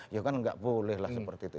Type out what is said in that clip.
ya kan enggak boleh lah seperti itu